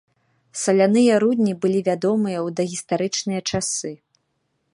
Саляныя рудні былі вядомыя ў дагістарычныя часы.